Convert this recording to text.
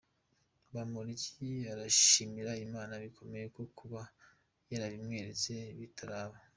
Bamporiki arabishimira Imana bikomeye no kuba yarabimweretse bitaraba.